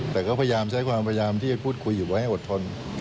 แต่ก็พยายามใช้ความพยายามที่จะพูดคุยอยู่ไว้ให้อดทน